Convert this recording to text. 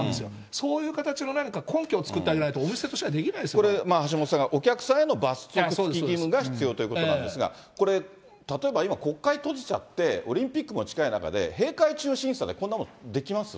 そういう形の何か根拠を作ってあげないとお店としてはできないでこれ、橋下さんが、お客さんへの罰則付き義務が必要ということなんですが、例えば、国会閉じちゃって、オリンピックも近い中で、閉会中審査でこんなもんできます？